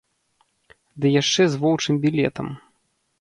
Ды яшчэ з воўчым білетам.